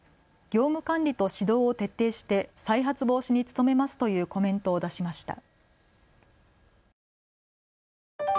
業務管理と指導を徹底して再発防止に努めますというコメントを出しました。